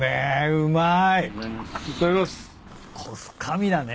うまい。